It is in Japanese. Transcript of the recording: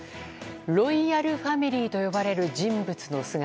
ロイヤルファミリーと呼ばれる人物の姿。